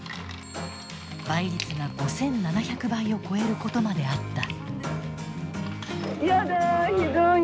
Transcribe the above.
倍率が５，７００倍を超えることまであった。